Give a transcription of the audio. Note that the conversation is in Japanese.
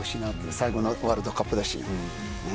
最後のワールドカップだし。